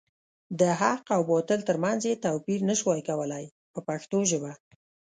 د حق او باطل تر منځ یې توپیر نشو کولای په پښتو ژبه.